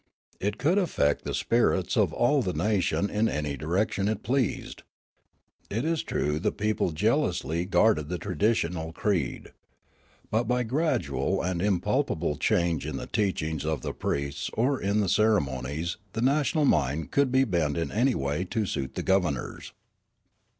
It could affect the spirits of all the nation in any direc tion it pleased. It is true the people jealously guarded the traditional creed. But by gradual and impalpable change in the teachings of the priests or in the cere monies the national mind could be bent in any way to suit the governors.